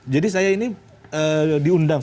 jadi saya ini diundang